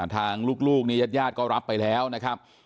ทางลูกยาดก็รับไปแล้วนะครับ